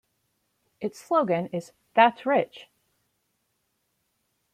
Its slogan is That's Rich!